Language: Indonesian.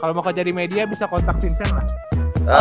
kalo mau kejadi media bisa kontak vincent lah